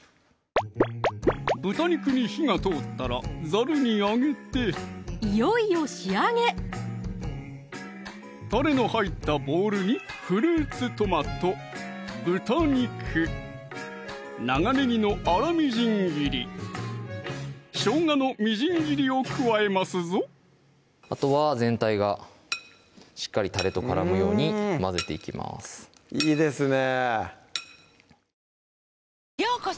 豚肉に火が通ったらザルにあげていよいよ仕上げたれの入ったボウルにフルーツトマト・豚肉・長ねぎの粗みじん切り・しょうがのみじん切りを加えますぞあとは全体がしっかりたれと絡むように混ぜていきますいいですね